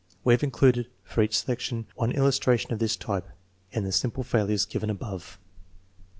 We have included, for each selection, one illus tration of this type in the sample failures given above.